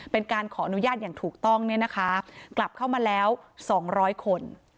เป็นการขออนุญาตอย่างถูกต้องเนี่ยนะคะกลับเข้ามาแล้ว๒๐๐คน